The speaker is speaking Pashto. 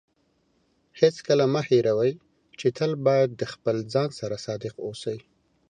هیڅکله مه هېروئ چې تل باید د خپل ځان سره صادق اوسئ.